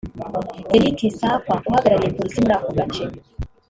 Eric Sakwa uhagarariye Polisi muri ako gace